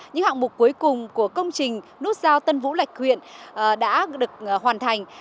những hạng mục cuối cùng của công trình nút sao tân vũ lạch quyện đã được hoàn thành